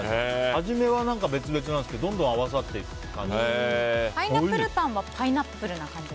初めは別々なんですけどどんどん合わさってく感じ。